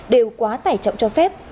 đều quá tải trọng cho phép